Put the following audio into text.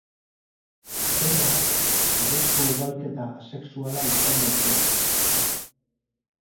Horrela, berezko ugalketa asexuala izan daiteke.